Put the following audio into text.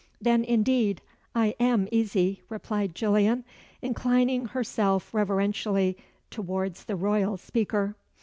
"Then, indeed, I am easy," replied Gillian, inclining herself reverentially towards the royal speaker.